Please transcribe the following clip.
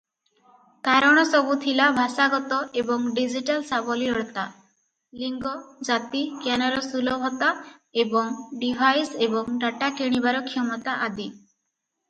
କାରଣସବୁ ଥିଲା ଭାଷାଗତ ଏବଂ ଡିଜିଟାଲ ସାବଲୀଳତା, ଲିଙ୍ଗ, ଜାତି, ଜ୍ଞାନର ସୁଲଭତା ଏବଂ ଡିଭାଇସ ଏବଂ ଡାଟା କିଣିବାର କ୍ଷମତା ଆଦି ।